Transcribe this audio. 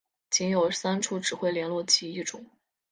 仅有三式指挥连络机一种。